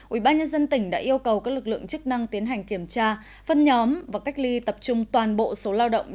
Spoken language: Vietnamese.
ubnd tỉnh đã yêu cầu các lực lượng chức năng tiến hành kiểm tra phân nhóm và cách ly tập trung toàn bộ số lao động